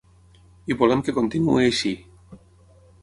I volem que continuï així.